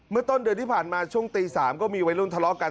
ต้นเดือนที่ผ่านมาช่วงตี๓ก็มีวัยรุ่นทะเลาะกัน